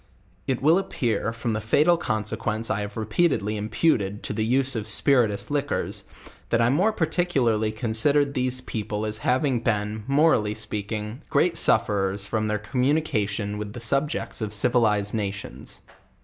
It will appear from the fatal consequence I have repeated ly imputed to the us b of spirituous liquors, that I mere par ticularly considered these people as. having been, morally speaking, grest sufferers from their communication with the subjects of civilized nations.